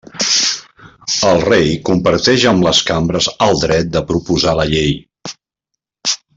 El rei comparteix amb les cambres el dret de proposar la llei.